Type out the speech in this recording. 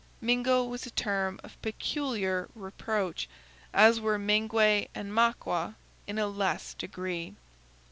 Mingo was a term of peculiar reproach, as were Mengwe and Maqua in a less degree.